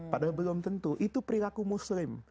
padahal belum tentu itu perilaku muslim